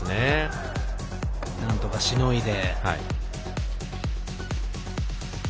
なんとかしのいで。